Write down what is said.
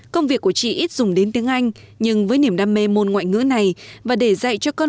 công việc của chị ít dùng đến tiếng anh nhưng với niềm đam mê môn ngoại ngữ này và để dạy cho con